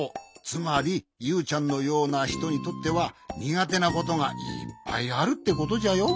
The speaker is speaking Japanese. つまりユウちゃんのようなひとにとってはにがてなことがいっぱいあるってことじゃよ。